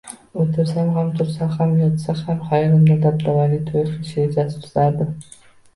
O`tirsa ham, tursa ham, yotsa ham xayolida dabdabali to`y qilish rejasini tuzardi